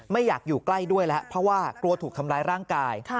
ไม่อยากอยู่ใกล้ด้วยแล้วเพราะว่ากลัวถูกทำร้ายร่างกาย